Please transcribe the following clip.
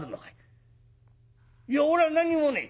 「いやおらは何もねえ。